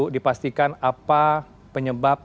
dipastikan apa penyebab